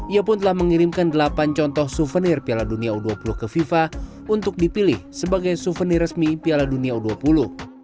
ia pun telah mengirimkan delapan contoh souvenir piala dunia u dua puluh ke fifa untuk dipilih sebagai souvenir resmi piala dunia u dua puluh